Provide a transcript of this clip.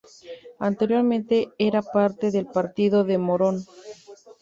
Anteriormente era parte del partido de Morón.